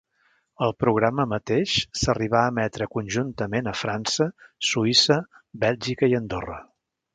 El programa mateix s'arribà a emetre conjuntament a França, Suïssa, Bèlgica i Andorra.